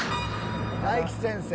大吉先生。